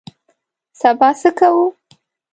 سبا څه کوو؟